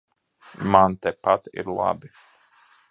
Man tepat ir labi.